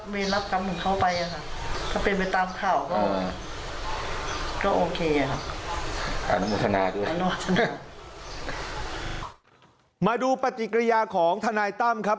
มาดูปฏิกิริยาของทนายตั้มครับ